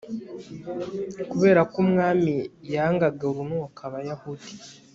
kubera ko umwami yangaga urunuka abayahudi